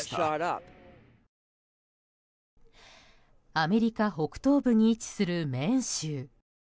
アメリカ北東部に位置するメーン州。